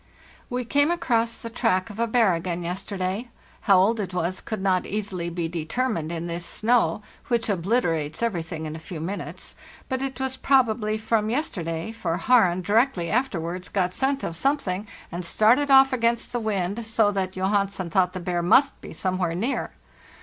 "We came across the track of a bear again yesterday. How old it was could not easily be determined in this snow, which obliterates everything in a few minutes; but it was probably from yesterday, for ' Haren' directly after wards got scent of something and started off against the wind, so that Johansen thought the bear must be somewhere near.